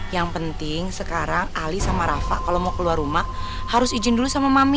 yang penting sekarang ali sama rafa kalau mau keluar rumah harus izin dulu sama mami